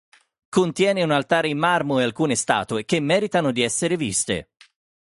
Contiene un altare in marmo e alcune statue che meritano di essere viste.